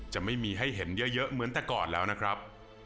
จะไม่มีให้เห็นเยอะเหมือนแต่ก่อนแล้วนะครับ